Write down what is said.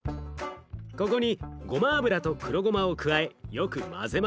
ここにごま油と黒ごまを加えよく混ぜます。